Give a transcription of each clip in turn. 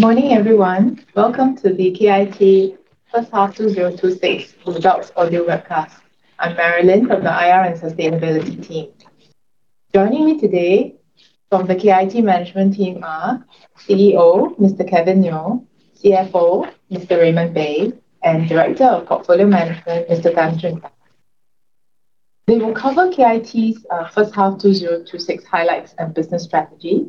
Morning, everyone. Welcome to the KIT first half 2026 results audio webcast. I'm Marilyn from the IR and Sustainability team. Joining me today from the KIT management team are CEO, Mr. Kevin Neo, CFO, Mr. Raymond Bay, and Director of Portfolio Management, Mr. Tan, Jun Da. They will cover KIT's first half 2026 highlights and business strategy,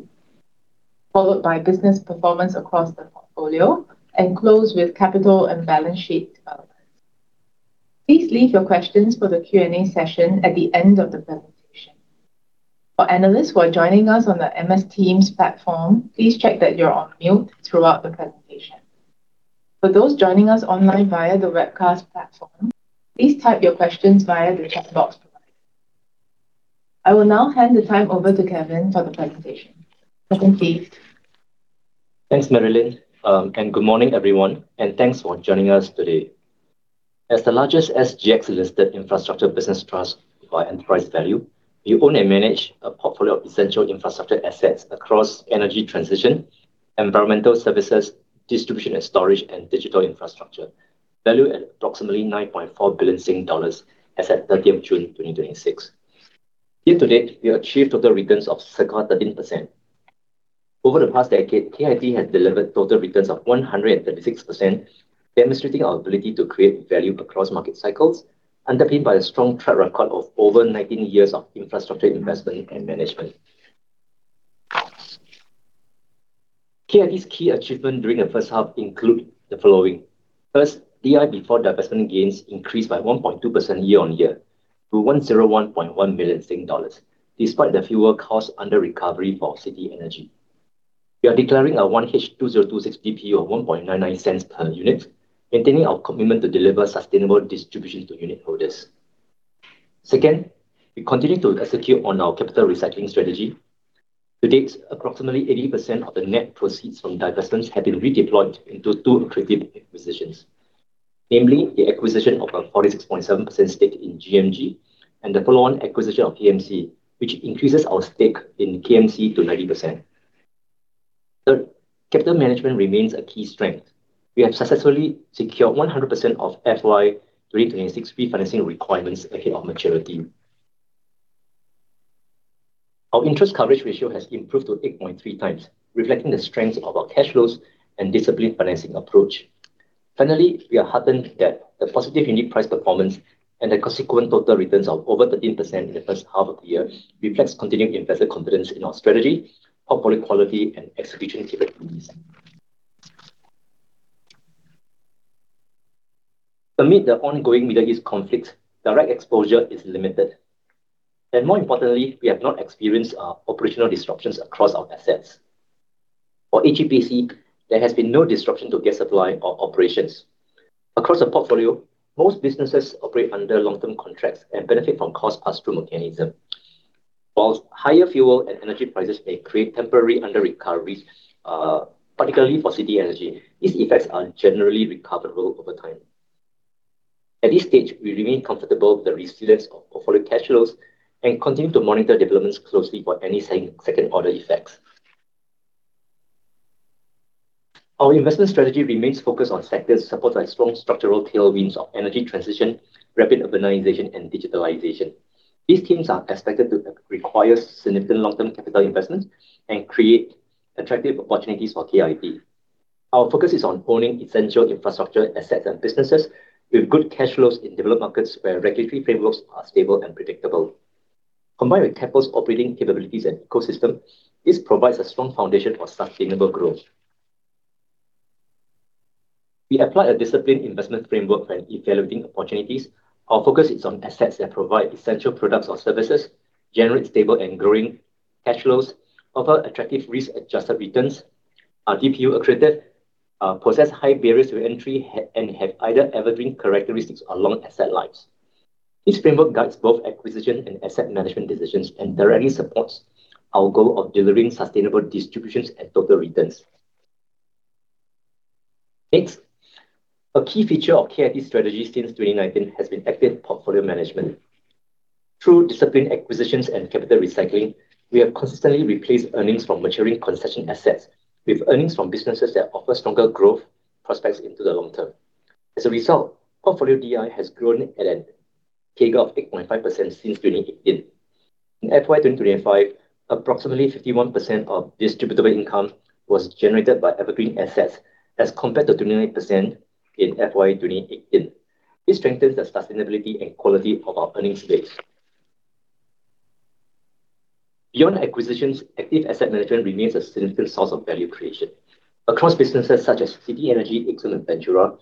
followed by business performance across the portfolio, and close with capital and balance sheet development. Please leave your questions for the Q&A session at the end of the presentation. For analysts who are joining us on the MS Teams platform, please check that you're on mute throughout the presentation. For those joining us online via the webcast platform, please type your questions via the chat box provided. I will now hand the time over to Kevin for the presentation. Kevin, please. Thanks, Marilyn. Good morning, everyone, and thanks for joining us today. As the largest SGX-listed infrastructure business trust by enterprise value, we own and manage a portfolio of essential infrastructure assets across energy transition, environmental services, distribution and storage, and digital infrastructure, valued at approximately 9.4 billion Sing dollars as at 30th June 2026. Year to date, we have achieved total returns of 13%. Over the past decade, KIT has delivered total returns of 136%, demonstrating our ability to create value across market cycles, underpinned by a strong track record of over 19 years of infrastructure investment and management. KIT's key achievements during the first half include the following. First, DI before divestment gains increased by 1.2% year-on-year to 101.1 million Sing dollars, despite the fuel cost under recovery for City Energy. We are declaring our 1H 2026 DPU of 0.0199 per unit, maintaining our commitment to deliver sustainable distributions to unitholders. Second, we continue to execute on our capital recycling strategy. To date, approximately 80% of the net proceeds from divestments have been redeployed into two accretive acquisitions. Namely, the acquisition of a 46.7% stake in GMG and the follow-on acquisition of KMC, which increases our stake in KMC to 90%. Third, capital management remains a key strength. We have successfully secured 100% of FY 2026 refinancing requirements ahead of maturity. Our interest coverage ratio has improved to 8.3x, reflecting the strength of our cash flows and disciplined financing approach. Finally, we are heartened that the positive unit price performance and the consequent total returns of over 13% in the first half of the year reflects continuing investor confidence in our strategy, portfolio quality, and execution capabilities. Amid the ongoing Middle East conflict, direct exposure is limited. More importantly, we have not experienced operational disruptions across our assets. For AGPC, there has been no disruption to gas supply or operations. Across the portfolio, most businesses operate under long-term contracts and benefit from cost pass-through mechanism. Whilst higher fuel and energy prices may create temporary under recoveries, particularly for City Energy, these effects are generally recoverable over time. At this stage, we remain comfortable with the resilience of portfolio cash flows and continue to monitor developments closely for any second-order effects. Our investment strategy remains focused on sectors supported by strong structural tailwinds of energy transition, rapid urbanization, and digitalization. These themes are expected to require significant long-term capital investments and create attractive opportunities for KIT. Our focus is on owning essential infrastructure assets and businesses with good cash flows in developed markets where regulatory frameworks are stable and predictable. Combined with Keppel's operating capabilities and ecosystem, this provides a strong foundation for sustainable growth. We apply a disciplined investment framework when evaluating opportunities. Our focus is on assets that provide essential products or services, generate stable and growing cash flows, offer attractive risk-adjusted returns, are DPU accretive, possess high barriers to entry, and have either evergreen characteristics or long asset lives. This framework guides both acquisition and asset management decisions and directly supports our goal of delivering sustainable distributions and total returns. Next, a key feature of KIT's strategy since 2019 has been active portfolio management. Through disciplined acquisitions and capital recycling, we have consistently replaced earnings from maturing concession assets with earnings from businesses that offer stronger growth prospects into the long term. As a result, portfolio DI has grown at a CAGR of 8.5% since 2018. In FY 2025, approximately 51% of distributable income was generated by evergreen assets as compared to 28% in FY 2018. This strengthens the sustainability and quality of our earnings base. Beyond acquisitions, active asset management remains a significant source of value creation. Across businesses such as City Energy, Ixom, and Ventura,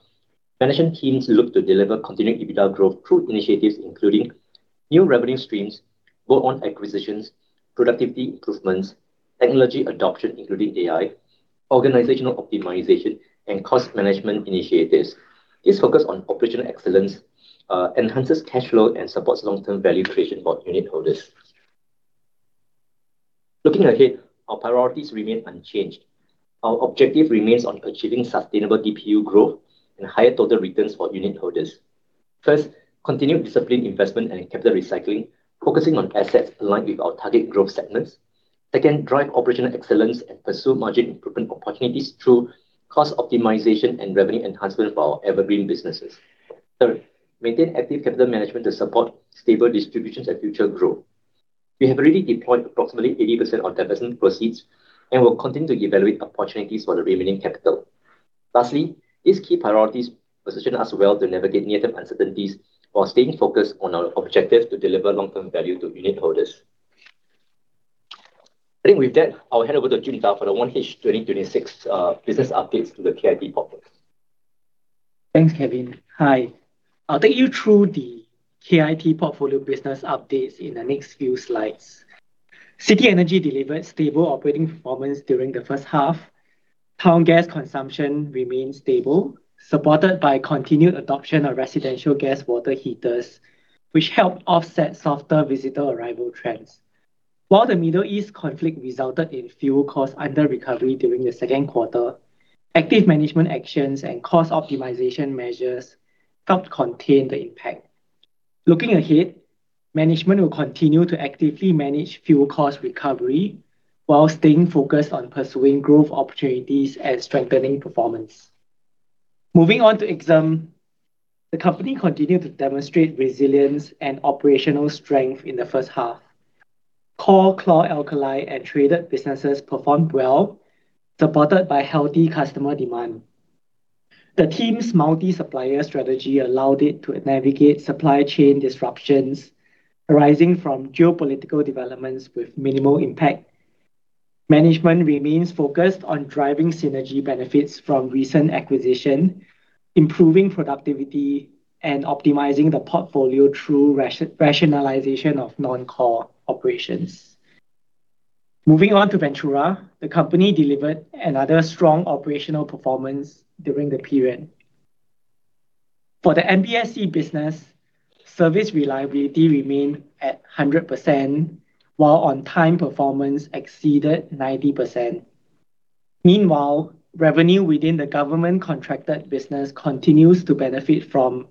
management teams look to deliver continuing EBITDA growth through initiatives including new revenue streams, bolt-on acquisitions, productivity improvements, technology adoption including AI, organizational optimization, and cost management initiatives. This focus on operational excellence enhances cash flow and supports long-term value creation for unitholders. Looking ahead, our priorities remain unchanged. Our objective remains on achieving sustainable DPU growth and higher total returns for unitholders. First, continue disciplined investment and capital recycling, focusing on assets aligned with our target growth segments. Second, drive operational excellence and pursue margin improvement opportunities through cost optimization and revenue enhancement for our evergreen businesses. Third, maintain active capital management to support stable distributions and future growth. We have already deployed approximately 80% of divestment proceeds and will continue to evaluate opportunities for the remaining capital. Lastly, these key priorities position us well to navigate near-term uncertainties while staying focused on our objective to deliver long-term value to unitholders. I think with that, I'll hand over to Jun Da for the 1H 2026 business updates to the KIT portfolio. Thanks, Kevin. Hi, I'll take you through the KIT portfolio business updates in the next few slides. City Energy delivered stable operating performance during the first half. Town gas consumption remained stable, supported by continued adoption of residential gas water heaters, which helped offset softer visitor arrival trends. While the Middle East conflict resulted in fuel cost under-recovery during the second quarter, active management actions and cost optimization measures helped contain the impact. Looking ahead, management will continue to actively manage fuel cost recovery while staying focused on pursuing growth opportunities and strengthening performance. Moving on to Ixom. The company continued to demonstrate resilience and operational strength in the first half. Core chlor-alkali and traded businesses performed well, supported by healthy customer demand. The team's multi-supplier strategy allowed it to navigate supply chain disruptions arising from geopolitical developments with minimal impact. Management remains focused on driving synergy benefits from recent acquisition, improving productivity, and optimizing the portfolio through rationalization of non-core operations. Moving on to Ventura. The company delivered another strong operational performance during the period. For the MBSC business, service reliability remained at 100%, while on-time performance exceeded 90%. Meanwhile, revenue within the government contracted business continues to benefit from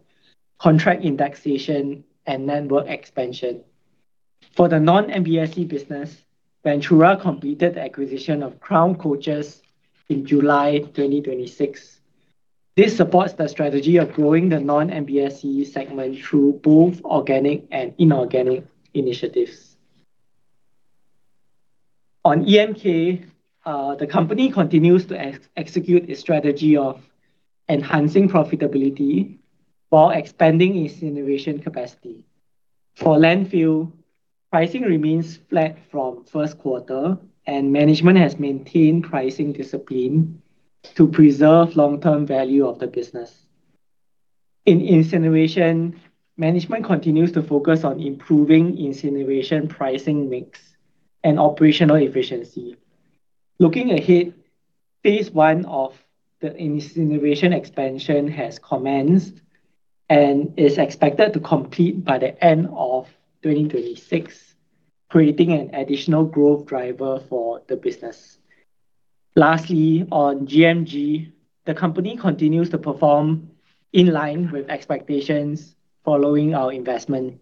contract indexation and network expansion. For the non-MBSC business, Ventura completed the acquisition of Crown Coaches in July 2026. This supports the strategy of growing the non-MBSC segment through both organic and inorganic initiatives. On EMK, the company continues to execute a strategy of enhancing profitability while expanding its incineration capacity. For landfill, pricing remains flat from first quarter, and management has maintained pricing discipline to preserve long-term value of the business. In incineration, management continues to focus on improving incineration pricing mix and operational efficiency. Looking ahead, phase one of the incineration expansion has commenced and is expected to complete by the end of 2026, creating an additional growth driver for the business. Lastly, on GMG, the company continues to perform in line with expectations following our investment.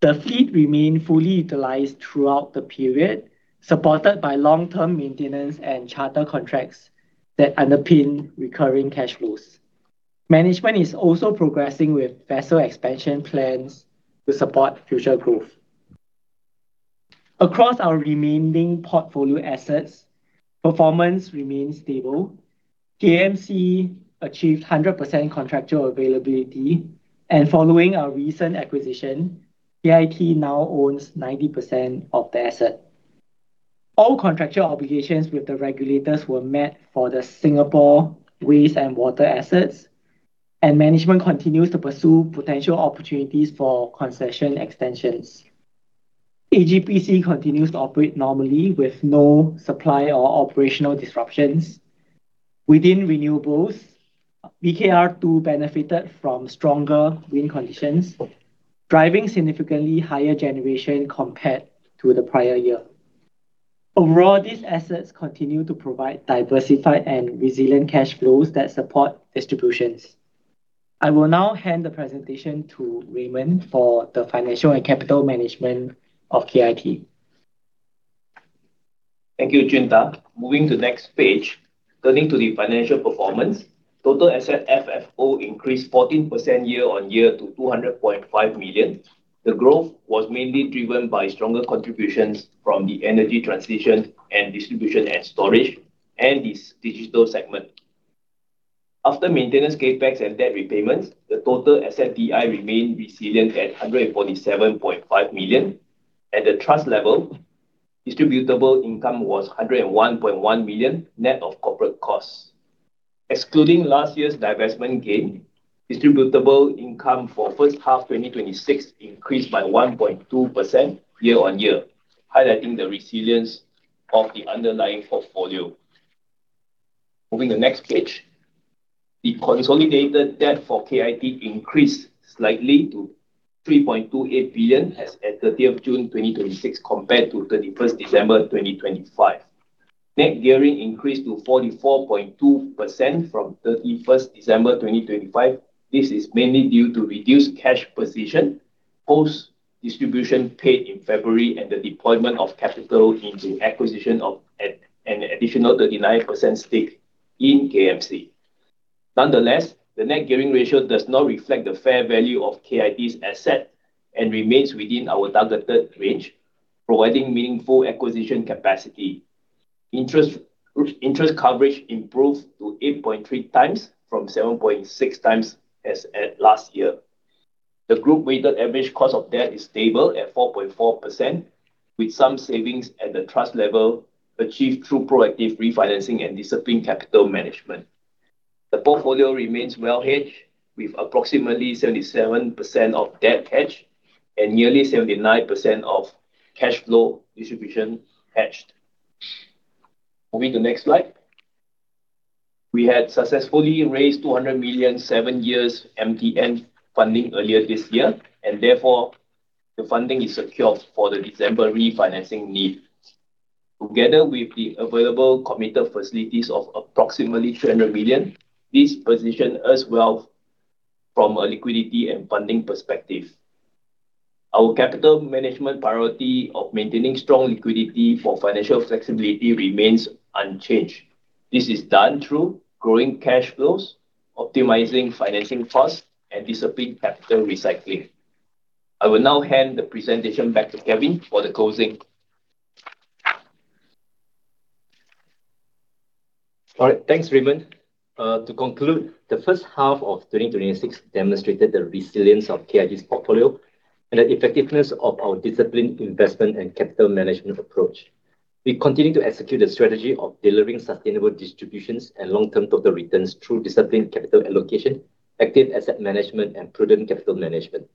The fleet remained fully utilized throughout the period, supported by long-term maintenance and charter contracts that underpin recurring cash flows. Management is also progressing with vessel expansion plans to support future growth. Across our remaining portfolio assets, performance remains stable. KMC achieved 100% contractual availability, and following our recent acquisition, KIT now owns 90% of the asset. All contractual obligations with the regulators were met for the Singapore waste and water assets, and management continues to pursue potential opportunities for concession extensions. AGPC continues to operate normally with no supply or operational disruptions. Within renewables, BKR2 benefited from stronger wind conditions, driving significantly higher generation compared to the prior year. Overall, these assets continue to provide diversified and resilient cash flows that support distributions. I will now hand the presentation to Raymond for the financial and capital management of KIT. Thank you, Jun Da. Moving to next page. Turning to the financial performance, total asset FFO increased 14% year-on-year to 200.5 million. The growth was mainly driven by stronger contributions from the energy transition and distribution and storage and its digital segment. After maintenance CapEx and debt repayments, the total asset DI remained resilient at 147.5 million. At the trust level, distributable income was 101.1 million, net of corporate costs. Excluding last year's divestment gain, distributable income for first half 2026 increased by 1.2% year-on-year, highlighting the resilience of the underlying portfolio. Moving the next page. The consolidated debt for KIT increased slightly to 3.28 billion as at 30th of June 2026 compared to 31st December 2025. Net gearing increased to 44.2% from 31st December 2025. This is mainly due to reduced cash position, post distribution paid in February, and the deployment of capital into acquisition of an additional 39% stake in KMC. Nonetheless, the net gearing ratio does not reflect the fair value of KIT's asset and remains within our targeted range, providing meaningful acquisition capacity. Interest coverage improved to 8.3x from 7.6x as at last year. The group weighted average cost of debt is stable at 4.4%, with some savings at the trust level achieved through proactive refinancing and disciplined capital management. The portfolio remains well hedged with approximately 77% of debt hedged and nearly 79% of cash flow distribution hedged. Moving to next slide. We had successfully raised 200 million seven-year MTN funding earlier this year, and the funding is secured for the December refinancing need. Together with the available committed facilities of approximately 300 million, this positions us well from a liquidity and funding perspective. Our capital management priority of maintaining strong liquidity for financial flexibility remains unchanged. This is done through growing cash flows, optimizing financing costs, and disciplined capital recycling. I will now hand the presentation back to Kevin for the closing. All right. Thanks, Raymond. To conclude, the first half of 2026 demonstrated the resilience of KIT's portfolio and the effectiveness of our disciplined investment and capital management approach. We continue to execute the strategy of delivering sustainable distributions and long-term total returns through disciplined capital allocation, active asset management, and prudent capital management.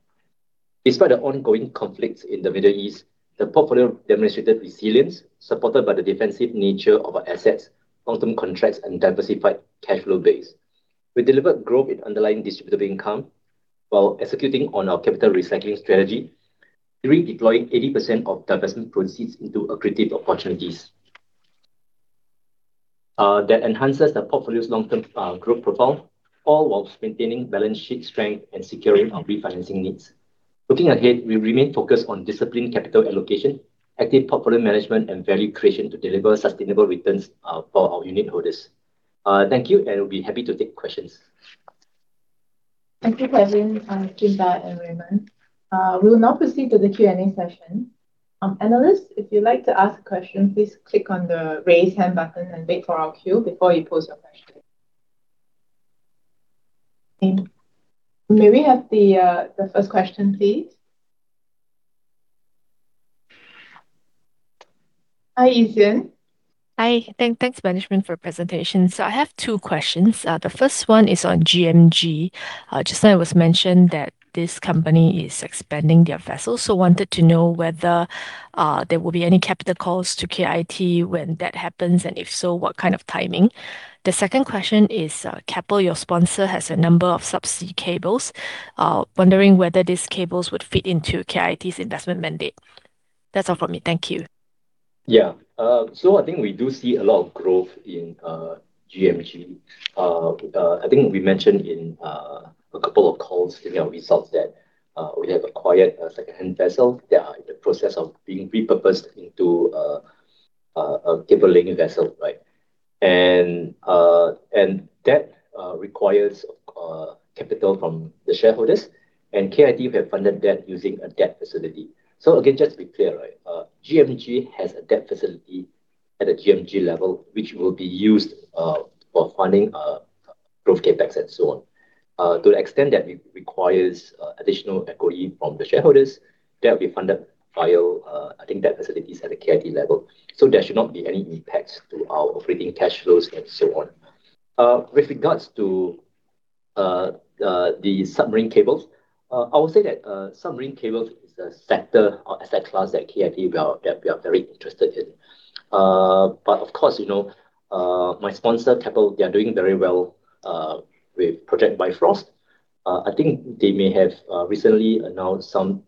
Despite the ongoing conflicts in the Middle East, the portfolio demonstrated resilience supported by the defensive nature of our assets, long-term contracts, and diversified cash flow base. We delivered growth in underlying distributable income while executing on our capital recycling strategy, redeploying 80% of divestment proceeds into accretive opportunities that enhances the portfolio's long-term growth profile, all whilst maintaining balance sheet strength and securing our refinancing needs. Looking ahead, we remain focused on disciplined capital allocation, active portfolio management, and value creation to deliver sustainable returns for our unitholders. Thank you. We'll be happy to take questions. Thank you, Kevin, Jun Da, and Raymond. We will now proceed to the Q&A session. Analysts, if you'd like to ask a question, please click on the raise hand button and wait for our cue before you pose your question. May we have the first question, please? Hi, Yi Zhen. Hi. Thanks management for the presentation. I have two questions. The first one is on GMG. Just now it was mentioned that this company is expanding their vessels. I wanted to know whether there will be any capital calls to KIT when that happens, and if so, what kind of timing? The second question is, Keppel, your sponsor, has a number of subsea cables. Wondering whether these cables would fit into KIT's investment mandate. That's all from me. Thank you. I think we do see a lot of growth in GMG. I think we mentioned in a couple of calls in our results that we have acquired a secondhand vessel that are in the process of being repurposed into a cable laying vessel, right? That requires capital from the shareholders, and KIT will fund that using a debt facility. Again, just to be clear, right? GMG has a debt facility at the GMG level, which will be used for funding growth CapEx and so on. To the extent that it requires additional equity from the shareholders, that will be funded via, I think, debt facilities at the KIT level. There should not be any impacts to our operating cash flows and so on. With regards to the submarine cables, I would say that submarine cables is a sector or asset class that KIT, that we are very interested in. Of course, my sponsor, Keppel, they are doing very well with Project Bifrost. I think they may have recently announced some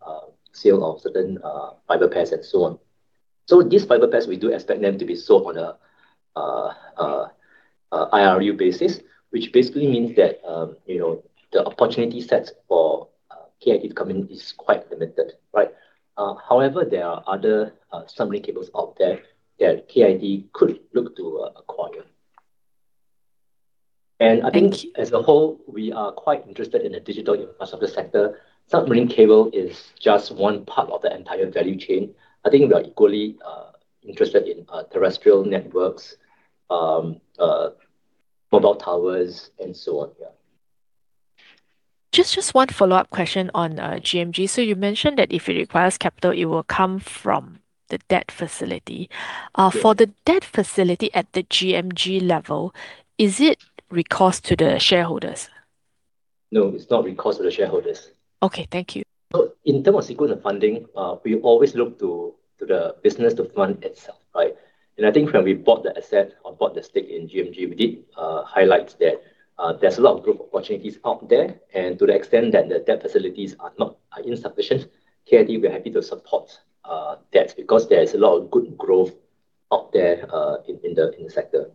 sale of certain fiber pairs and so on. These fiber pairs, we do expect them to be sold on an IRU basis, which basically means that the opportunity sets for KIT coming in is quite limited, right? However, there are other submarine cables out there that KIT could look to acquire. I think as a whole, we are quite interested in the digital infrastructure sector. Submarine cable is just one part of the entire value chain. I think we are equally interested in terrestrial networks, mobile towers, and so on. Just one follow-up question on GMG. You mentioned that if it requires capital, it will come from the debt facility. Yeah. For the debt facility at the GMG level, is it recourse to the shareholders? No, it is not recourse to the shareholders. Okay. Thank you. In terms of securing the funding, we always look to the business to fund itself, right? I think when we bought the asset or bought the stake in GMG, we did highlight that there is a lot of growth opportunities out there. To the extent that the debt facilities are insufficient, KIT will be happy to support that because there is a lot of good growth out there in the sector.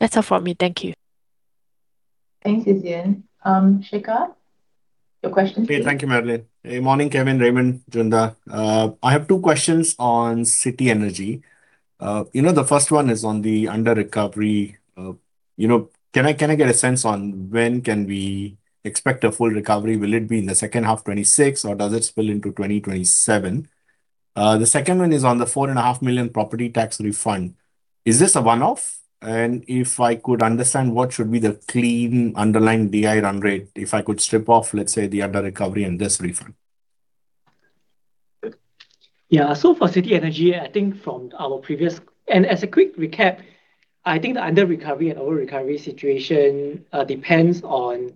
That's all from me. Thank you. Thank you, Zhen. Shekhar, your question please. Thank you, Marilyn. Morning, Kevin, Raymond, Jun Da. I have two questions on City Energy. The first one is on the under-recovery. Can I get a sense on when can we expect a full recovery? Will it be in the second half 2026 or does it spill into 2027? The second one is on the 4.5 million property tax refund. Is this a one-off? If I could understand what should be the clean underlying DI run rate, if I could strip off, let's say, the under-recovery and this refund. Yeah. For City Energy, as a quick recap, I think the under-recovery and over-recovery situation depends on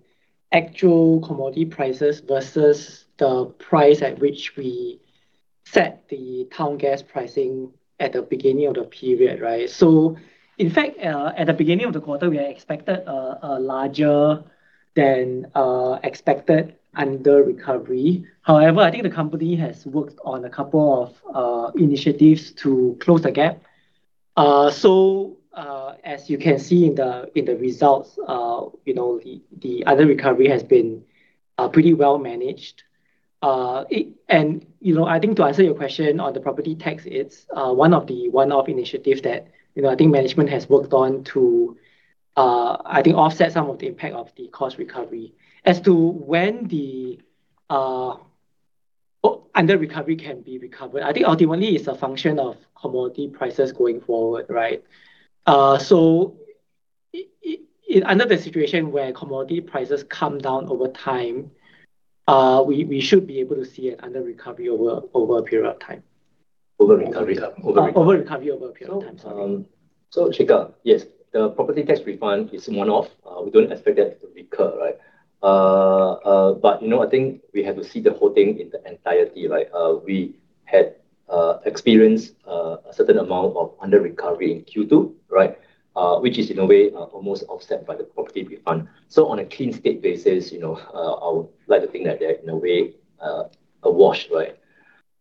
actual commodity prices versus the price at which we set the town gas pricing at the beginning of the period, right? In fact, at the beginning of the quarter, we had expected a larger than expected under-recovery. However, I think the company has worked on a couple of initiatives to close the gap. As you can see in the results, the under-recovery has been pretty well managed. I think to answer your question on the property tax, it's one of the one-off initiatives that I think management has worked on to, I think, offset some of the impact of the cost recovery. As to when the under-recovery can be recovered, I think ultimately it's a function of commodity prices going forward, right? Under the situation where commodity prices come down over time, we should be able to see an under-recovery over a period of time. Over-recovery. Over-recovery over a period of time. Sorry. Shekhar, yes. The property tax refund is one-off. We don't expect that to recur, right? I think we have to see the whole thing in the entirety, right? We had experienced a certain amount of under-recovery in Q2, right? Which is in a way almost offset by the property refund. On a clean state basis, I would like to think that they're in a way a wash, right?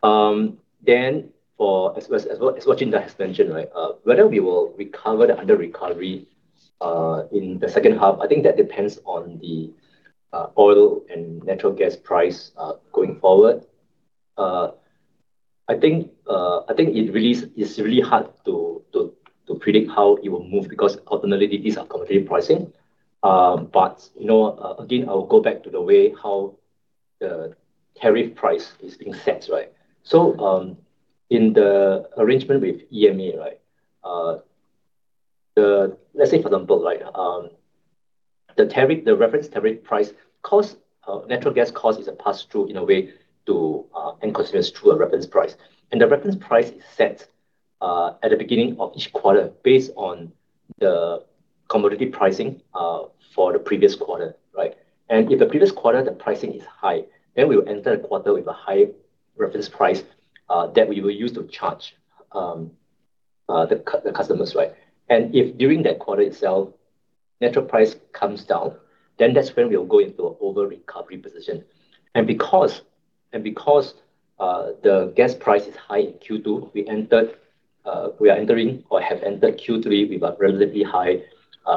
As what Jun Da has mentioned, right? Whether we will recover the under-recovery in the second half, I think that depends on the oil and natural gas price going forward. I think it's really hard to predict how it will move because ultimately these are commodity pricing. Again, I will go back to the way how the tariff price is being set, right? In the arrangement with EMA, right? Let's say for example, the reference tariff price natural gas cost is a pass-through in a way to end consumers through a reference price. The reference price is set at the beginning of each quarter based on the commodity pricing for the previous quarter, right? If the previous quarter the pricing is high, then we will enter the quarter with a high reference price that we will use to charge the customers, right? If during that quarter itself natural price comes down, then that's when we'll go into an over-recovery position. Because the gas price is high in Q2, we are entering or have entered Q3 with a relatively high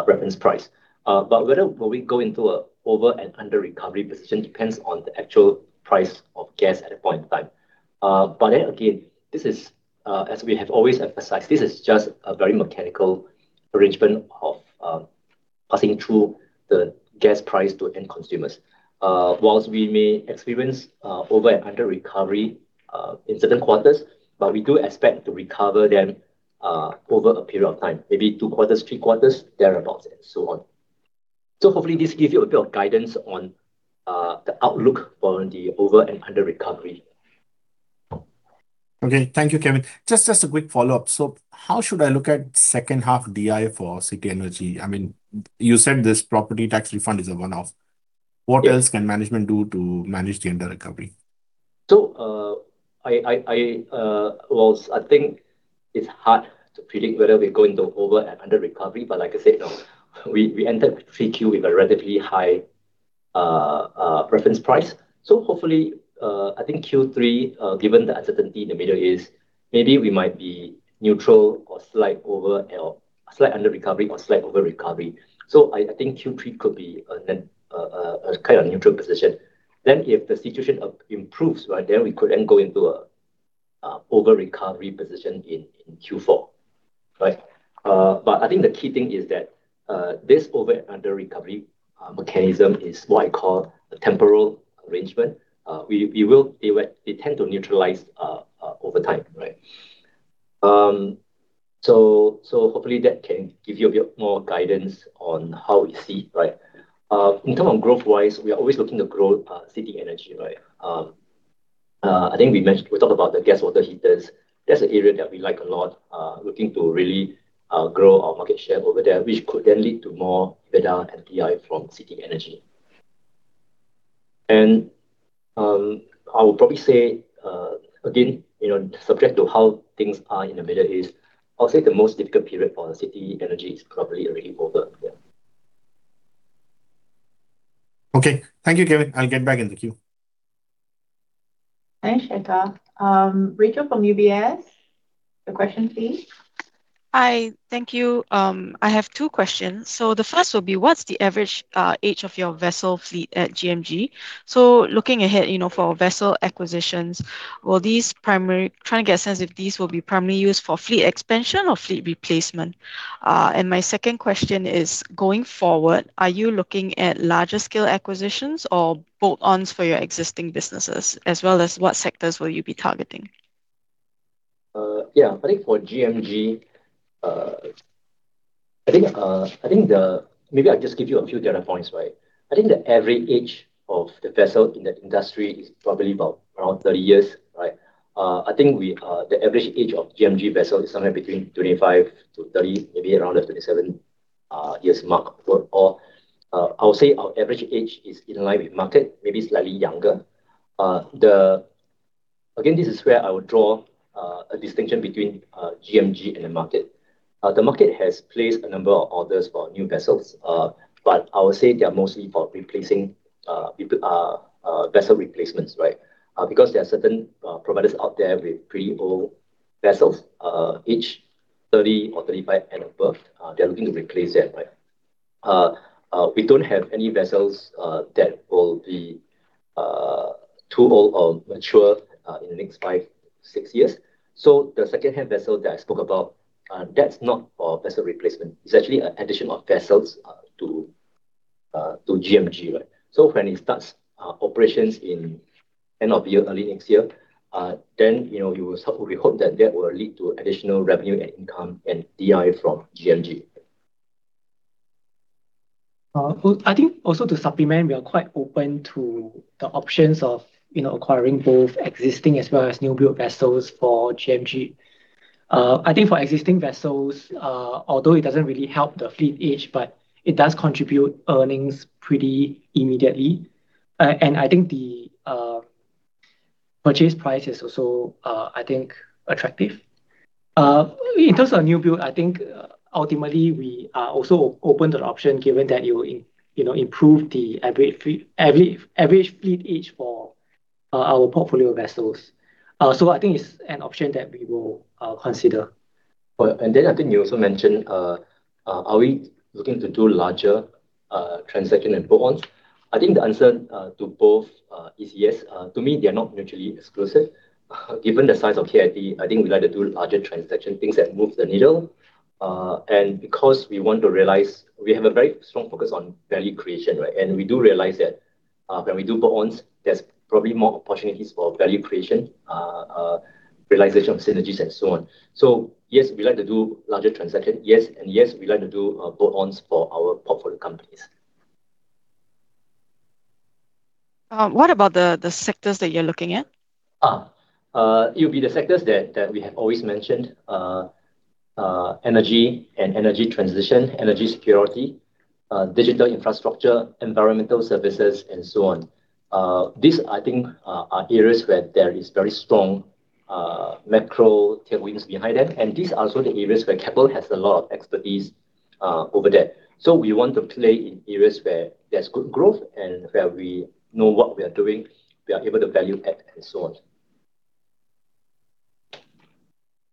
reference price. Whether we go into an over and under-recovery position depends on the actual price of gas at a point in time. As we have always emphasized, this is just a very mechanical arrangement of passing through the gas price to end consumers. Whilst we may experience over and under-recovery in certain quarters, we do expect to recover them over a period of time, maybe two quarters, three quarters, thereabout and so on. Hopefully this gives you a bit of guidance on the outlook for the over and under-recovery. Okay. Thank you, Kevin. Just a quick follow-up. How should I look at second half DI for City Energy? You said this property tax refund is a one-off. What else can management do to manage the under-recovery? I think it's hard to predict whether we go into over and under-recovery, like I said, we entered 3Q with a relatively high reference price. Hopefully, I think Q3, given the uncertainty in the Middle East, maybe we might be neutral or slight under-recovery or slight over-recovery. I think Q3 could be a kind of neutral position. If the situation improves, right, we could then go into a over-recovery position in Q4, right? I think the key thing is that this over and under-recovery mechanism is what I call a temporal arrangement. They tend to neutralize over time, right? Hopefully that can give you a bit more guidance on how we see, right? In terms of growth-wise, we are always looking to grow City Energy, right? I think we talked about the gas water heaters. That's an area that we like a lot. Looking to really grow our market share over there, which could then lead to more better DI from City Energy. I would probably say, again, subject to how things are in the Middle East, I'll say the most difficult period for City Energy is probably already over. Okay. Thank you, Kevin. I'll get back in the queue. Thanks, Shekhar. Rachael from UBS, your question please. Hi. Thank you. I have two questions. The first will be, what's the average age of your vessel fleet at GMG? Looking ahead, for vessel acquisitions, trying to get a sense if these will be primarily used for fleet expansion or fleet replacement. My second question is, going forward, are you looking at larger scale acquisitions or bolt-ons for your existing businesses? As well as what sectors will you be targeting? I think for GMG, maybe I'll just give you a few data points, right? I think the average age of the vessel in the industry is probably about around 30 years, right? I think the average age of GMG vessel is somewhere between 25-30, maybe around the 27 years mark. I'll say our average age is in line with market, maybe slightly younger. Again, this is where I would draw a distinction between GMG and the market. The market has placed a number of orders for new vessels, I would say they are mostly for vessel replacements, right? There are certain providers out there with pretty old vessels, age 30 or 35 and above, they're looking to replace that, right? We don't have any vessels that will be too old or mature in the next five, six years. The secondhand vessel that I spoke about, that's not for vessel replacement. It's actually an addition of vessels to GMG, right? When it starts operations in end of year, early next year, we hope that that will lead to additional revenue and income and DI from GMG. I think also to supplement, we are quite open to the options of acquiring both existing as well as new build vessels for GMG. I think for existing vessels, although it doesn't really help the fleet age, it does contribute earnings pretty immediately. The purchase price is also I think attractive. In terms of new build, I think ultimately we are also open to the option given that it will improve the average fleet age for our portfolio of vessels. I think it's an option that we will consider. I think you also mentioned, are we looking to do larger transaction and bolt-ons? I think the answer to both is yes. To me, they are not mutually exclusive. Given the size of KIT, I think we'd like to do larger transaction things that move the needle. Because we want to realize we have a very strong focus on value creation, right? We do realize that when we do bolt-ons, there's probably more opportunities for value creation, realization of synergies and so on. Yes, we like to do larger transaction. Yes, and yes, we like to do bolt-ons for our portfolio companies. What about the sectors that you're looking at? It'll be the sectors that we have always mentioned, energy and energy transition, energy security, digital infrastructure, environmental services and so on. These, I think, are areas where there is very strong macro tailwinds behind them, and these are also the areas where Keppel has a lot of expertise over there. We want to play in areas where there's good growth and where we know what we are doing, we are able to value add and so on.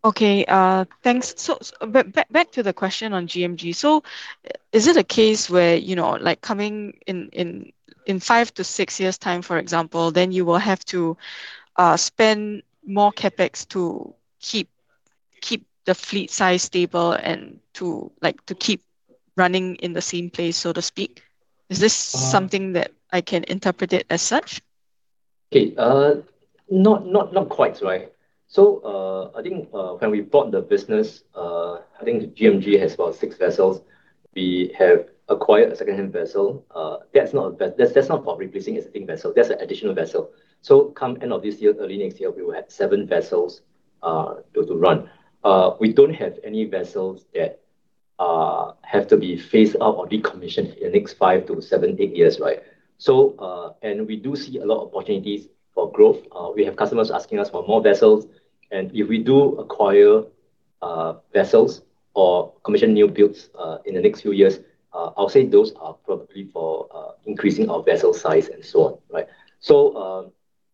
Okay. Thanks. Back to the question on GMG. Is it a case where, coming in five to six years' time, for example, then you will have to spend more CapEx to keep the fleet size stable and to keep running in the same place, so to speak? Is this something that I can interpret it as such? Okay. Not quite, right? I think when we bought the business, I think GMG has about six vessels. We have acquired a secondhand vessel. That is not for replacing existing vessel. That is an additional vessel. Come end of this year, early next year, we will have seven vessels to run. We do not have any vessels that have to be phased out or decommissioned in the next five to seven, eight years, right? We do see a lot of opportunities for growth. We have customers asking us for more vessels, if we do acquire vessels or commission new builds in the next few years, I will say those are probably for increasing our vessel size and so on, right?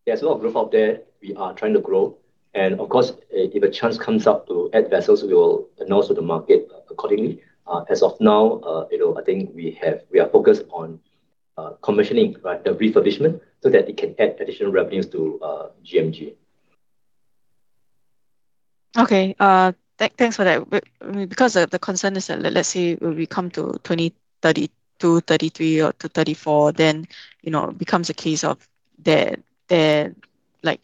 There is a lot of growth out there. We are trying to grow. Of course, if a chance comes up to add vessels, we will announce to the market accordingly. As of now, I think we are focused on commissioning the refurbishment so that it can add additional revenues to GMG. Okay. Thanks for that. Because the concern is that, let us say we come to 2032, 2033 or to 2034, then it becomes a case of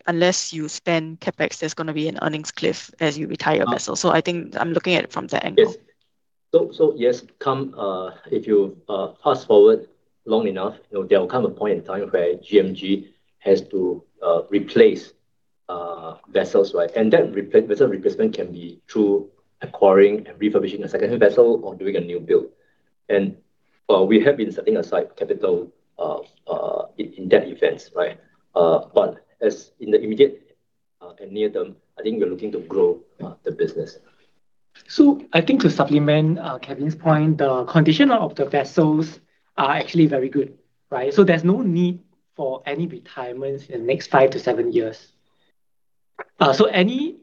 unless you spend CapEx, there is going to be an earnings cliff as you retire a vessel. I think I am looking at it from that angle. Yes. If you fast forward long enough, there will come a point in time where GMG has to replace vessels, right? That vessel replacement can be through acquiring and refurbishing a secondhand vessel or doing a new build. We have been setting aside capital in that event, right? As in the immediate near-term, I think we are looking to grow the business. I think to supplement Kevin's point, the condition of the vessels are actually very good, right? There's no need for any retirements in the next five to seven years. Any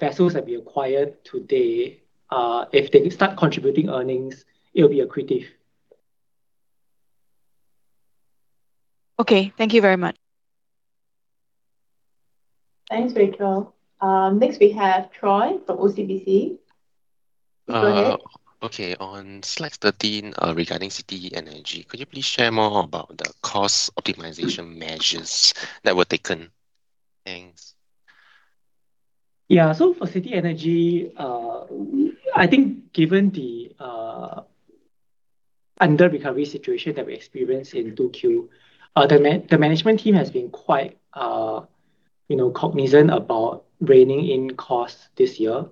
vessels that we acquire today, if they start contributing earnings, it'll be accretive. Okay. Thank you very much. Thanks, Rachael. Next we have Troy from OCBC. Go ahead. Okay. On slide 13, regarding City Energy, could you please share more about the cost optimization measures that were taken? Thanks. Yeah. For City Energy, I think given the under-recovery situation that we experienced in 2Q, the management team has been quite cognizant about reigning in costs this year.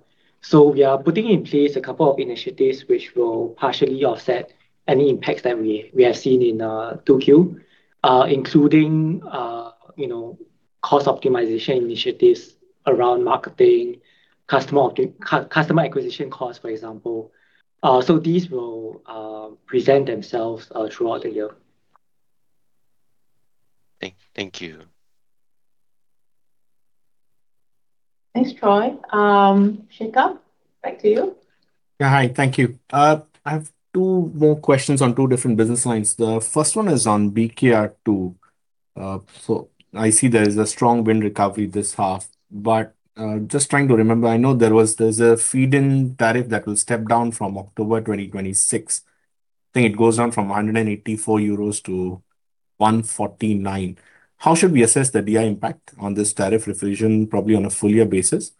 We are putting in place a couple of initiatives which will partially offset any impacts that we have seen in 2Q, including cost optimization initiatives around marketing, customer acquisition costs, for example. These will present themselves throughout the year. Thank you. Thanks, Troy. Shekhar, back to you. Yeah. Hi. Thank you. I have two more questions on two different business lines. The first one is on BKR2. I see there is a strong wind recovery this half, just trying to remember. I know there's a feed-in tariff that will step down from October 2026. I think it goes down from 184 euros to 149. How should we assess the DI impact on this tariff revision, probably on a full year basis?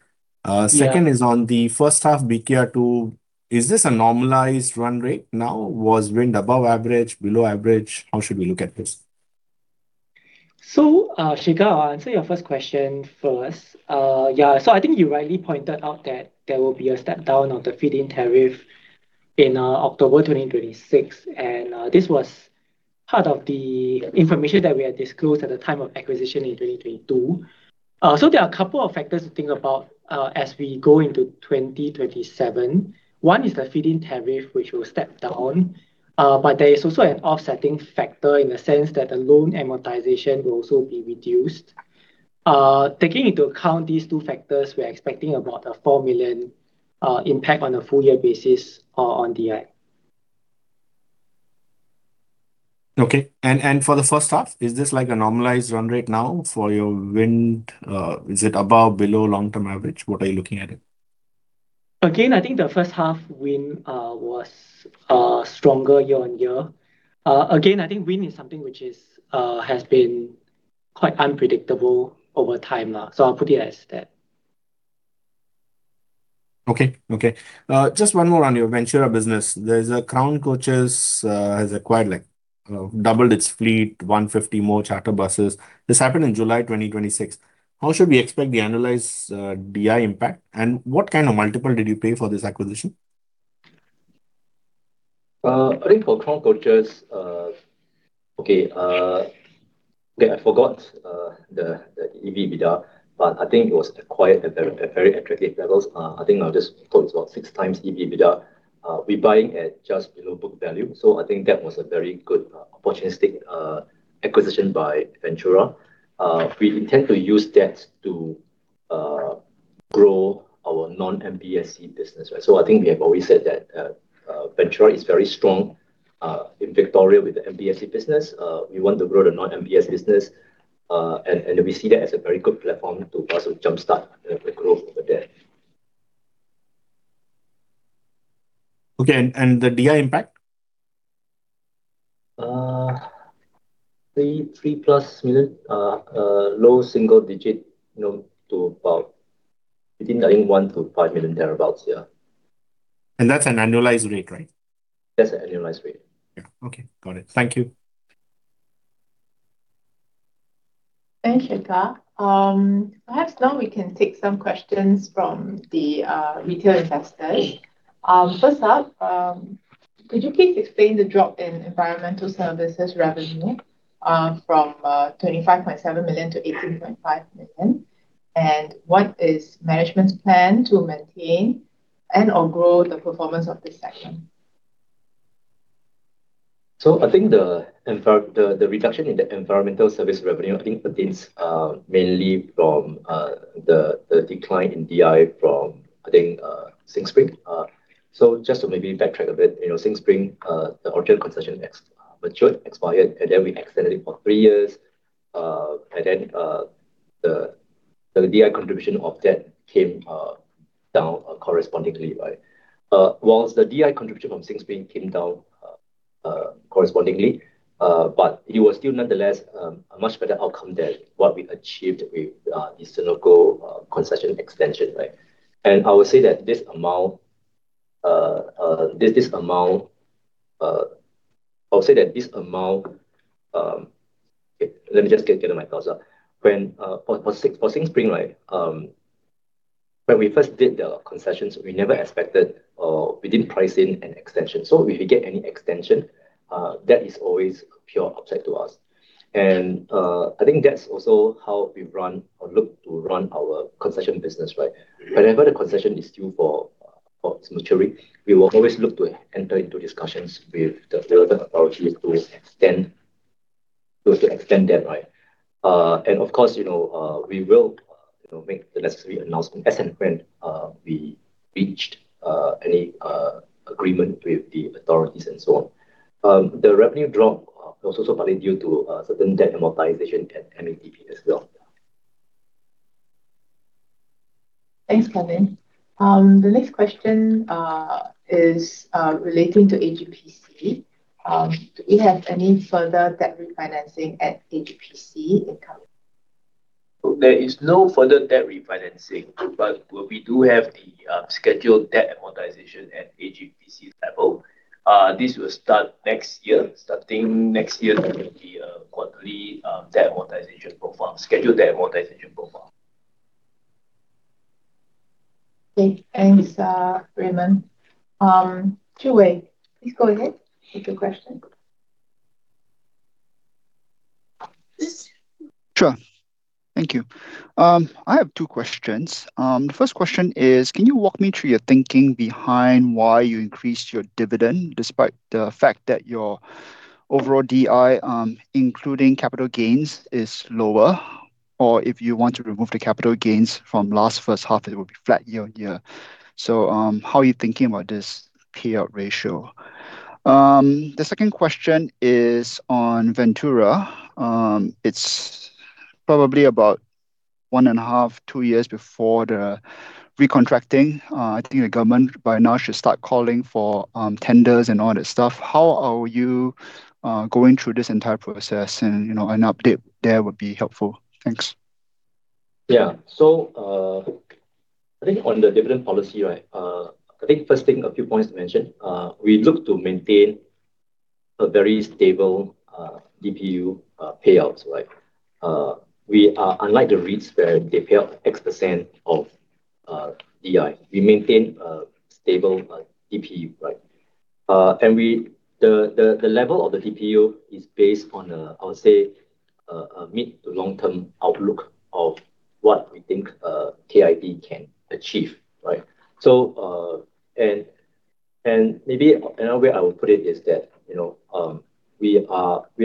Yeah. Second is on the first half BKR2. Is this a normalized run rate now? Was wind above average, below average? How should we look at this? Shekhar, I'll answer your first question first. Yeah, I think you rightly pointed out that there will be a step down on the feed-in tariff in October 2026, and this was part of the information that we had disclosed at the time of acquisition in 2022. There are a couple of factors to think about as we go into 2027. One is the feed-in tariff, which will step down. There is also an offsetting factor in the sense that the loan amortization will also be reduced. Taking into account these two factors, we are expecting about a 4 million impact on a full year basis on DI. Okay. For the first half, is this like a normalized run rate now for your wind? Is it above, below long-term average? What are you looking at it? Again, I think the first half wind was stronger year-on-year. Again, I think wind is something which has been quite unpredictable over time now. I'll put it as that. Okay. Just one more on your Ventura business. There's a Crown Coaches has acquired, doubled its fleet, 150 more charter buses. This happened in July 2026. How should we expect the annualized DI impact, and what kind of multiple did you pay for this acquisition? I think for Crown Coaches, okay, I forgot the EBITDA, but I think it was acquired at very attractive levels. I think I'll just put it's about 6x EBITDA. We're buying at just below book value. I think that was a very good opportunistic acquisition by Ventura. We intend to use that to grow our non-MBSC business. I think we have always said that Ventura is very strong in Victoria with the MBSC business. We want to grow the non-MBSC business. We see that as a very good platform to also jumpstart the growth over there. Okay, the DI impact? 3+ million. Low single digit, to about between I think 1 million-5 million thereabouts, yeah. That is an annualized rate, right? That is an annualized rate. Yeah. Okay. Got it. Thank you. Thanks, Shekhar. Perhaps now we can take some questions from the retail investors. First up, could you please explain the drop in environmental services revenue from 25.7 million to 18.5 million, and what is management's plan to maintain and/or grow the performance of this section? I think the reduction in the environmental service revenue pertains mainly from the decline in DI from SingSpring. Just to maybe backtrack a bit. SingSpring, the original concession matured, expired, then we extended it for three years. The DI contribution of that came down correspondingly. Whilst the DI contribution from SingSpring came down correspondingly, but it was still nonetheless a much better outcome than what we achieved with the Senoko concession extension, right? I would say that. Let me just gather my thoughts up. For SingSpring, right? When we first did the concessions, we never expected or we didn't price in an extension. If we get any extension, that is always a pure upside to us. I think that's also how we've run or looked to run our concession business, right? Whenever the concession is due for maturing, we will always look to enter into discussions with the relevant authorities to extend that, right? Of course, we will make the necessary announcement as and when we reached any agreement with the authorities and so on. The revenue drop was also partly due to certain debt amortization at MATP as well. Thanks, Kevin. The next question is relating to AGPC. Do we have any further debt refinancing at AGPC incoming? There is no further debt refinancing, but we do have the scheduled debt amortization at AGPC level. This will start next year. Starting next year there will be a quarterly scheduled debt amortization profile. Okay. Thanks, Raymond. Chu Wei, please go ahead with your question. Sure. Thank you. I have two questions. The first question is, can you walk me through your thinking behind why you increased your dividend despite the fact that your overall DI, including capital gains, is lower? Or if you want to remove the capital gains from last first half, it will be flat year-on-year. How are you thinking about this payout ratio? The second question is on Ventura. It's probably about 1.5, two years before the re-contracting. I think the government by now should start calling for tenders and all that stuff. How are you going through this entire process? An update there would be helpful. Thanks. I think on the dividend policy, right, I think first thing, a few points to mention. We look to maintain a very stable DPU payout. Unlike the REITs where they pay out X percent of DI, we maintain a stable DPU. The level of the DPU is based on a, I would say, mid-to-long-term outlook of what we think KIT can achieve. Right? Maybe another way I would put it is that we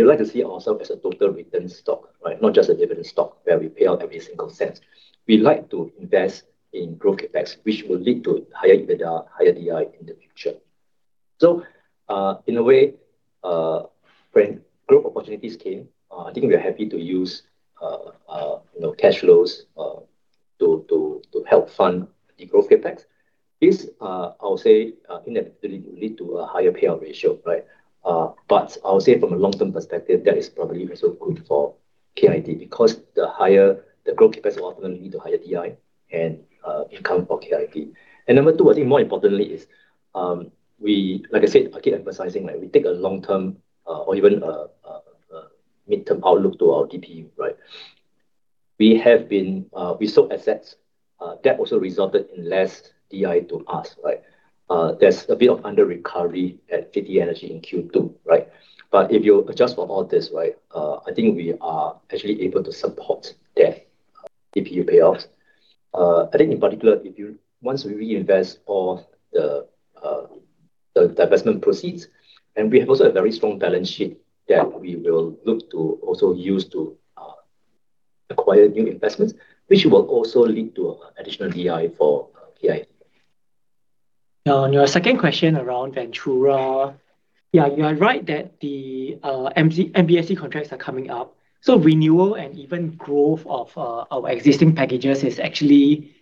like to see ourselves as a total return stock, right? Not just a dividend stock where we pay out every single cent. We like to invest in growth CapEx, which will lead to higher EBITDA, higher DI in the future. In a way, when growth opportunities came, I think we are happy to use cash flows to help fund the growth CapEx. This, I'll say, inevitably will lead to a higher payout ratio, right? I'll say from a long-term perspective, that is probably also good for KIT because the growth CapEx will ultimately lead to higher DI and income for KIT. Number two, I think more importantly is like I said, I keep emphasizing, we take a long-term or even a mid-term outlook to our DPU, right? We sold assets that also resulted in less DI to us, right? There's a bit of under-recovery at City Energy in Q2, right? If you adjust for all this, I think we are actually able to support that DPU payoff. I think in particular, once we reinvest all the divestment proceeds, we have also a very strong balance sheet that we will look to also use to acquire new investments, which will also lead to additional DI for KIT. Now, on your second question around Ventura. Yeah, you are right that the MBSC contracts are coming up. Renewal and even growth of our existing packages is actually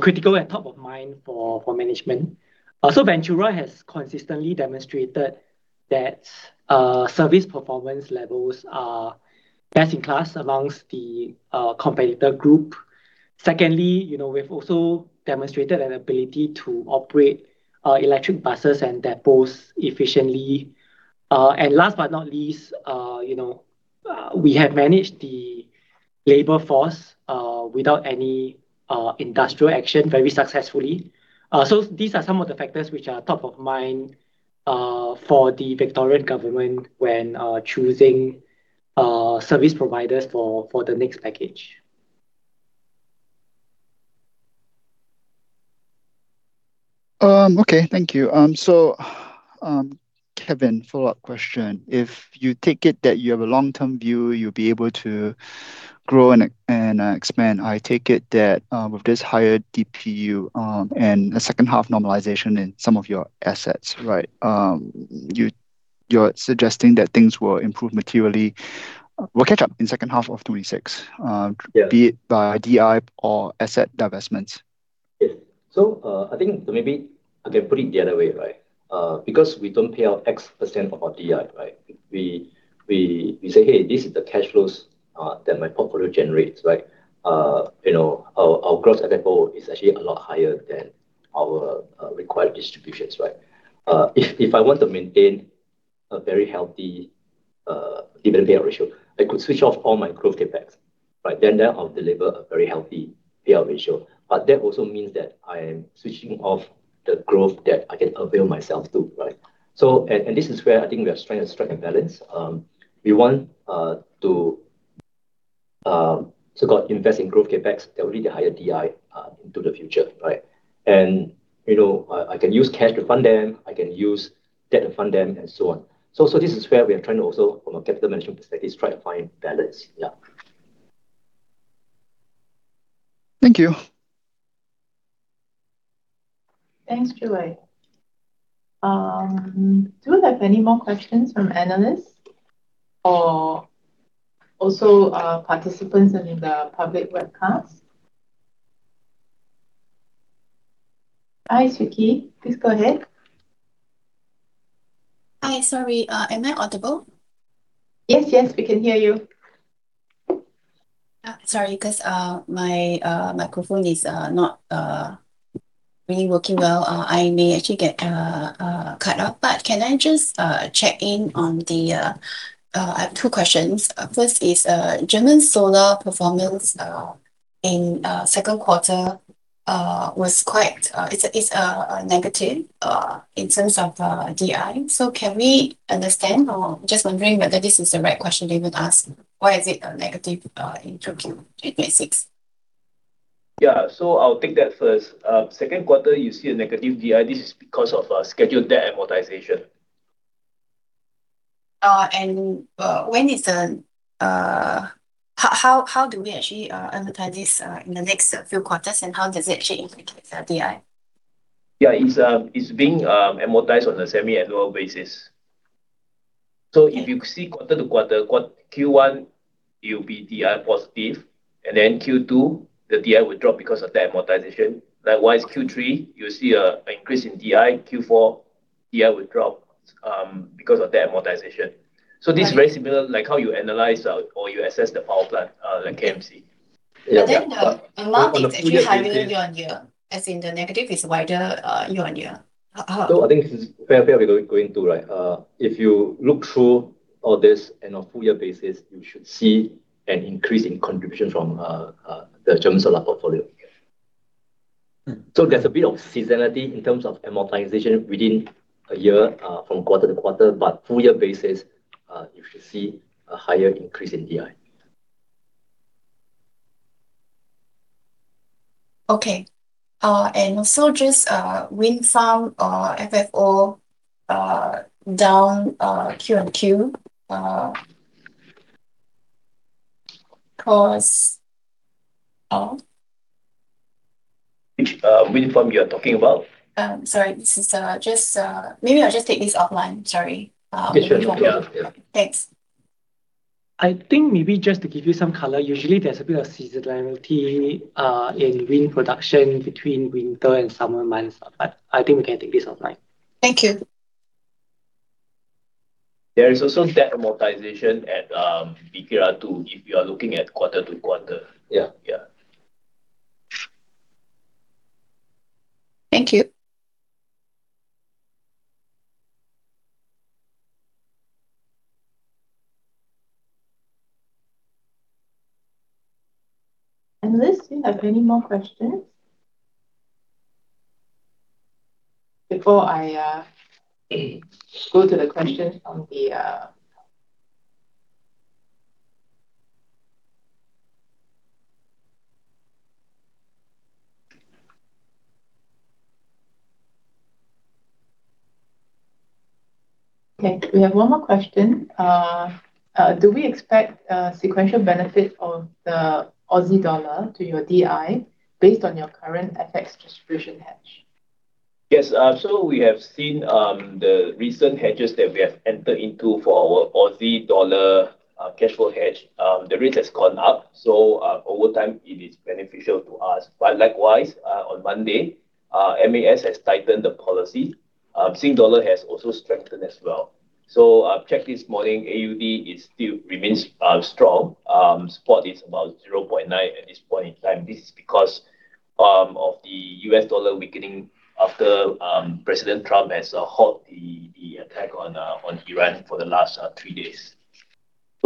critical and top of mind for management. Ventura has consistently demonstrated that service performance levels are best in class amongst the competitor group. Secondly, we've also demonstrated an ability to operate electric buses and depots efficiently. Last but not least, we have managed the labor force without any industrial action very successfully. These are some of the factors which are top of mind for the Victorian Government when choosing service providers for the next package. Okay. Thank you. Kevin, follow-up question. If you take it that you have a long-term view, you'll be able to grow and expand. I take it that with this higher DPU and a second half normalization in some of your assets, you're suggesting that things will improve materially, will catch up in second half of 2026- Yeah. -be it by DI or asset divestments. Yeah. I think maybe I can put it the other way, right? Because we don't pay out X percent of our DI, right? We say, "Hey, this is the cash flows that my portfolio generates." Our gross FFO is actually a lot higher than our required distributions, right? If I want to maintain a very healthy dividend payout ratio. I could switch off all my growth CapEx. That will deliver a very healthy payout ratio. That also means that I am switching off the growth that I can avail myself to. Right? This is where I think we are trying to strike a balance. We want to invest in growth CapEx that will lead to higher DI into the future, right? I can use cash to fund them, I can use debt to fund them, and so on. This is where we are trying to also, from a capital management perspective, try to find balance. Yeah. Thank you. Thanks, Chu Wei. Do we have any more questions from analysts or also participants in the public webcast? Hi, Siew Khee. Please go ahead. Hi. Sorry, am I audible? Yes. We can hear you. Sorry, because my microphone is not really working well, I may actually get cut off. Can I just check in on the-- I have two questions. First is German Solar performance in second quarter was quite-- It's a negative in terms of DI. Can we understand or just wondering whether this is the right question to even ask. Why is it a negative in 2Q in basics? Yeah. I'll take that first. Second quarter, you see a negative DI. This is because of scheduled debt amortization. When is the-- How do we actually amortize this in the next few quarters, and how does it actually impact the DI? Yeah. It's being amortized on a semi-annual basis. If you see quarter-to-quarter, Q1, you'll be DI positive, Q2, the DI will drop because of the amortization. Likewise, Q3, you'll see an increase in DI. Q4, DI will drop because of the amortization. Right. This is very similar, like how you analyze or you assess the power plant, like KMC. Yeah. The market- On a full year basis- -is actually higher year-on-year, as in the negative is wider year-on-year. I think this is fair we're going through, right? If you look through all this on a full-year basis, you should see an increase in contribution from the German Solar Portfolio. There's a bit of seasonality in terms of amortization within a year, from quarter-to-quarter. Full-year basis, you should see a higher increase in DI. Okay. Also just wind farm FFO down QoQ. Which wind farm you are talking about? Sorry. Maybe I'll just take this offline. Sorry. Yeah, sure. Thanks. I think maybe just to give you some color, usually there's a bit of seasonality in wind production between winter and summer months. I think we can take this offline. Thank you. There is also debt amortization at BKR2 if you are looking at quarter-to-quarter. Yeah. Yeah. Thank you. Analysts, do you have any more questions before I go to the questions from the? We have one more question. Do we expect a sequential benefit of the Aussie dollar to your DI based on your current FX distribution hedge? Yes. We have seen the recent hedges that we have entered into for our Aussie dollar cash flow hedge. The rate has gone up, so over time it is beneficial to us. Likewise, on Monday, MAS has tightened the policy. Sing dollar has also strengthened as well. I checked this morning, AUD, it still remains strong. Spot is about 0.9 at this point in time. This is because of the U.S. dollar weakening after President Trump has halt the attack on Iran for the last three days.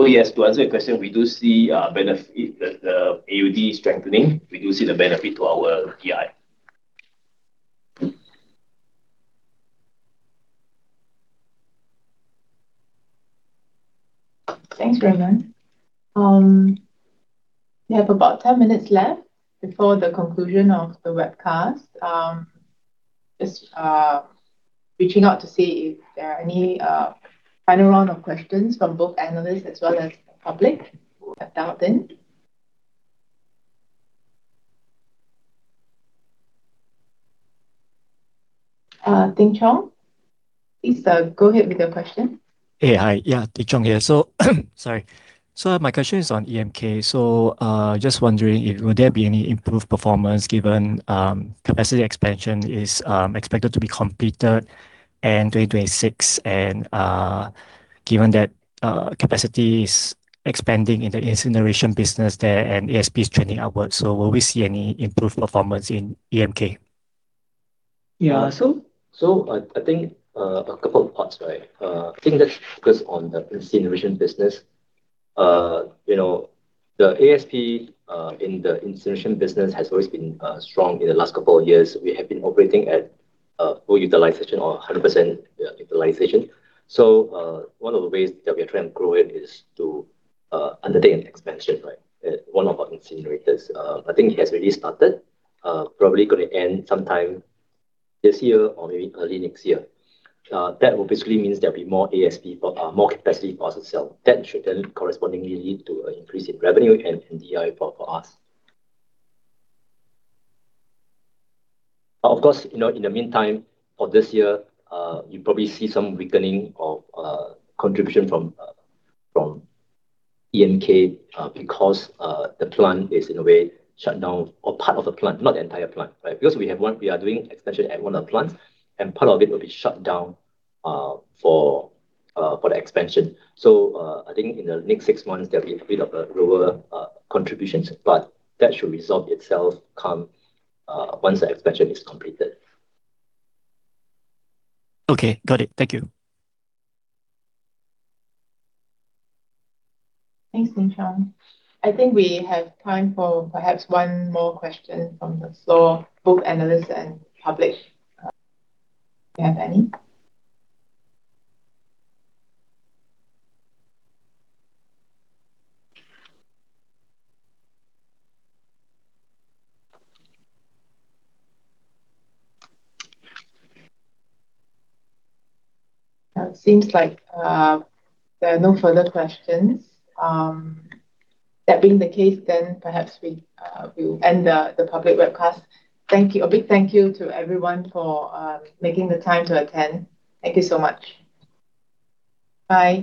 Yes, to answer your question, we do see a benefit. The AUD strengthening, we do see the benefit to our DI. Thanks, Raymond. We have about 10 minutes left before the conclusion of the webcast. Just reaching out to see if there are any final round of questions from both analysts as well as the public who have dialed in. Ding Chong, please go ahead with your question. Hey. Hi. Yeah, Ding Chong here. Sorry. My question is on EMK. Just wondering if would there be any improved performance given capacity expansion is expected to be completed end 2026, and given that capacity is expanding in the incineration business there and ASP is trending upwards, will we see any improved performance in EMK? Yeah. I think a couple of parts. I think let's focus on the incineration business. The ASP in the incineration business has always been strong in the last couple of years. We have been operating at full utilization or 100% utilization. One of the ways that we are trying to grow it is to undertake an expansion at one of our incinerators. I think it has already started, probably going to end sometime this year or maybe early next year. That will basically mean there'll be more capacity for us to sell. That should correspondingly lead to an increase in revenue and DI for us. Of course, in the meantime of this year, you probably see some weakening of contribution from EMK because the plant is, in a way, shut down, or part of the plant, not the entire plant. We are doing expansion at one of the plants, and part of it will be shut down for the expansion. I think in the next six months, there'll be a bit of a lower contribution. That should resolve itself once the expansion is completed. Okay, got it. Thank you. Thanks, Ding Chong. I think we have time for perhaps one more question from the floor, both analysts and public. Do you have any? It seems like there are no further questions. That being the case, perhaps we will end the public webcast. A big thank you to everyone for making the time to attend. Thank you so much. Bye.